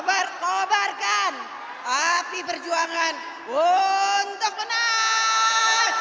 kita kobarkan api perjuangan untuk menang